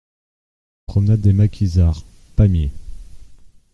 Promenade des Maquisards, Pamiers